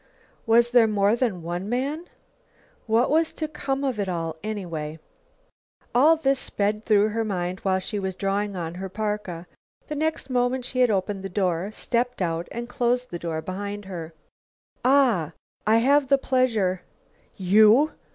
Was there more than one man? What was to come of it all, anyway? All this sped through her mind while she was drawing on her parka. The next moment she had opened the door, stepped out and closed the door behind her. "Ah! I have the pleasure " "You?"